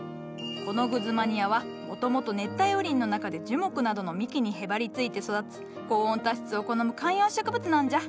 この「グズマニア」はもともと熱帯雨林の中で樹木などの幹にへばりついて育つ高温多湿を好む観葉植物なんじゃ。